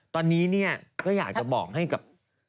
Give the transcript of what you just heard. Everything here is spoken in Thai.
ตอนนี้เนี่ยก็อยากจะบอกให้กับ